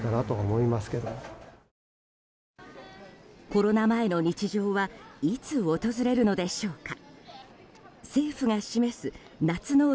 コロナ前の日常はいつ訪れるのでしょうか。